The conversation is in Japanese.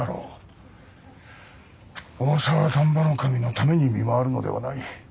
大沢丹波守のために見回るのではない。